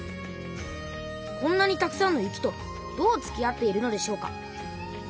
こんなにたくさんの雪とどうつきあっているのでしょうか？